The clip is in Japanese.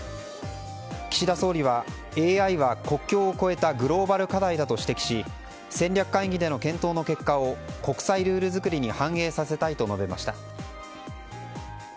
岸田総理は、ＡＩは国境を越えたグローバル課題だと指摘し戦略会議での検討の結果を国際ルール作りに反映させたいと述べました。